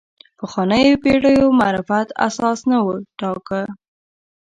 پخوانیو پېړیو معرفت اساس نه وټاکو.